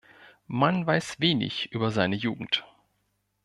Man weiß wenig über seine Jugend.